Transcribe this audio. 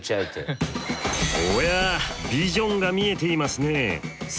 おやビジョンが見えていますね。